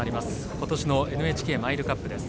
今年のＮＨＫマイルカップです。